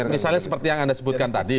misalnya seperti yang anda sebutkan tadi